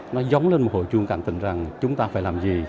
nó giống lên một hội chung cạnh tình rằng chúng ta phải làm gì